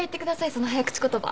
その早口言葉。